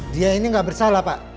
dia ini nggak bersalah pak